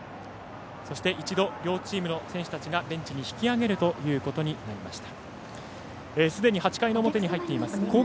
そして、一度両チームの選手たちがベンチに引き揚げることになりました。